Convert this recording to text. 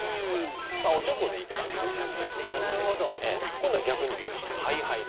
今度は逆に大杯で。